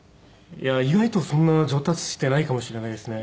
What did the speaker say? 意外とそんな上達してないかもしれないですね。